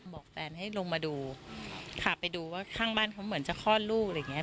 บอกแฟนให้ลงมาดูค่ะไปดูว่าข้างบ้านเขาเหมือนจะคลอดลูกอะไรอย่างเงี้